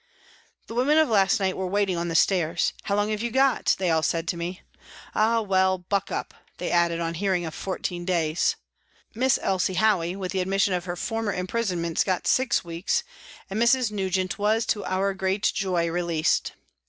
The women of last night were waiting on the stairs. " How long have you got ?" they all said to me. " Ah ! well, buck up," they added on hearing of fourteen days. Miss Elsie Howey, with the p. s 258 PRISONS AND PRISONERS admission of her former imprisonments, got six weeks, and Mrs. Nugent was, to our great joy, released.